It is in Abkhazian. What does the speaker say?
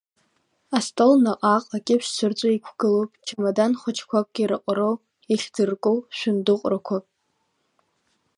Астол наҟ-ааҟ акьыԥшьқәа рҿы иқәгылоуп чамадан хәыҷқәак ираҟароу, ихьӡырку шәындыҟәрақәак.